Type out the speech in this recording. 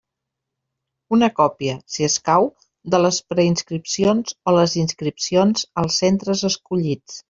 Una còpia, si escau, de les preinscripcions o les inscripcions als centres escollits.